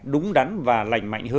đúng đắn và lành mạnh hơn